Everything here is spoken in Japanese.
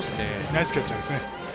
ナイスキャッチャーですね。